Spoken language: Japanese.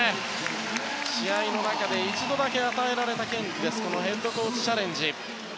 試合の中で一度だけ与えられた権利のこのヘッドコーチチャレンジ。